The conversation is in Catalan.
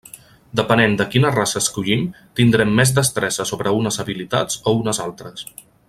Depenent de quina raça escollim tindrem més destresa sobre unes habilitats o unes altres.